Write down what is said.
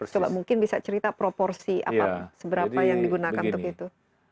coba mungkin bisa cerita proporsi apa seberapa yang digunakan untuk itu